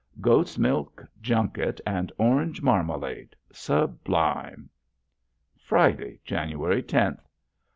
Goat's milk junket and orange marmalade; sublime! Friday, January tenth.